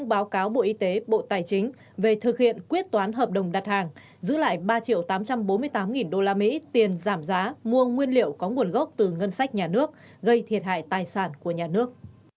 giữ lại ba triệu tám trăm bốn mươi tám nghìn đô la mỹ tiền giảm giá mua nguyên liệu có nguồn gốc từ ngân sách nhà nước gây thiệt hại tài sản của nhà nước